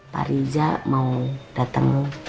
pak riza mau dateng